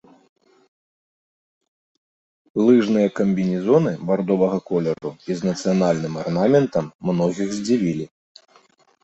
Лыжныя камбінезоны бардовага колеру і з нацыянальным арнаментам многіх здзівілі.